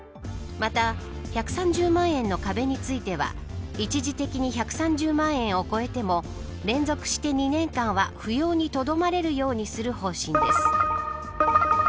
また１３０万円の壁については一時的に１３０万円を超えても連続して２年間は扶養にとどまれるようにする方針です。